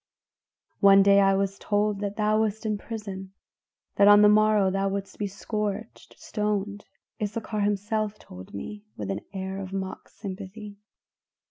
"One day I was told that thou wast in prison; that on the morrow thou wouldst be scourged stoned. Issachar himself told me, with an air of mock sympathy.